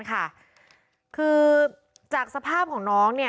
คือจากสภาพของน้อง